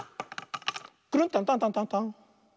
クルンタンタンタンタンタン。